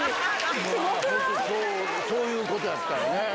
そういうことやったんやね。